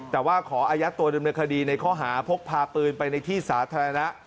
แต่ว่าขออายัดตัวดำเนินคดีในข้อหาพกพาปืนไปในที่สาธารณะ